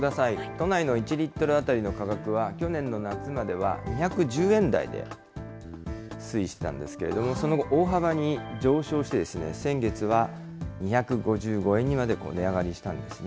都内の１リットル当たりの価格は去年の夏までは、２１０円台で推移してたんですけれども、その後、大幅に上昇して、先月は２５５円にまで値上がりしたんですね。